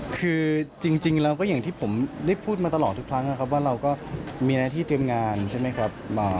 คือจริงแล้วก็อย่างที่ผมได้พูดมาตลอดทุกครั้งนะครับว่าเราก็มีหน้าที่เตรียมงานใช่ไหมครับ